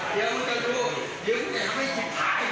ตาแน่กับเรา